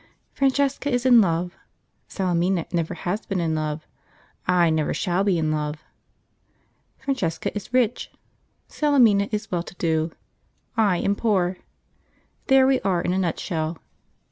Francesca is in love, Salemina never has been in love, I never shall be in love. Francesca is rich, Salemina is well to do, I am poor. There we are in a nutshell.